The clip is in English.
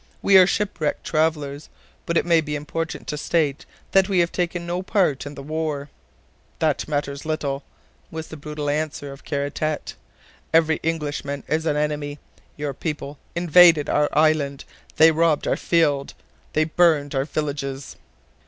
We are shipwrecked travelers, but it may be important to state that we have taken no part in the war." "That matters little!" was the brutal answer of Kara Tete. "Every Englishman is an enemy. Your people invaded our island! They robbed our fields! they burned our villages!"